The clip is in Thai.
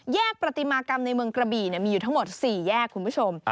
ประติมากรรมในเมืองกระบี่มีอยู่ทั้งหมด๔แยกคุณผู้ชม